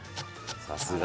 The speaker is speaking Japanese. さすが。